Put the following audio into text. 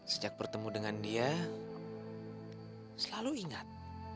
sejak bertemu dengan dia selalu ingat